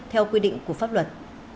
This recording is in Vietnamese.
theo quy định của pháp luật